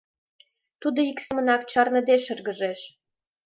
Тудо ик семынак чарныде шыргыжеш.